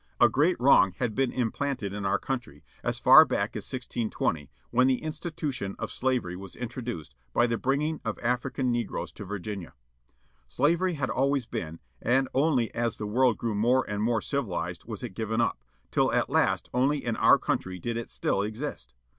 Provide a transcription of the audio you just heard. A great wrong had been implanted in our country, as far back as 1 620, when the institution of slavery was introduced, by the bringing of African negroes to Virginia. Slavery had always been, and only as the world grew more and more civilized was it given up, till at last only in our own country did it still exist.